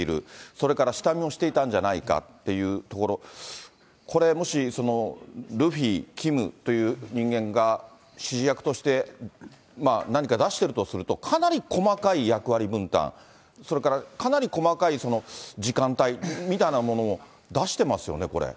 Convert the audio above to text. それから下見をしていたんじゃないかというところ、これ、もし、そのルフィ、キムという人間が指示役として何か出してるとすると、かなり細かい役割分担、それからかなり細かい時間帯みたいなものも出してますよね、これ。